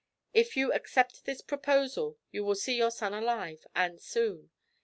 If you accept this proposal you will see your son alive, and soon.